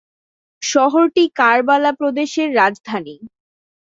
শহরটি কারবালা প্রদেশের রাজধানী।